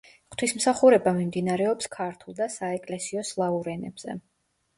ღვთისმსახურება მიმდინარეობს ქართულ და საეკლესიო სლავურ ენებზე.